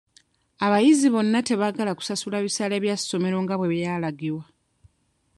Abayizi bonna tebaagala kusasula bisale bya ssomero nga bwe baalagirwa.